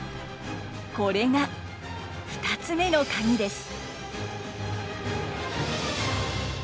これが２つ目のカギです。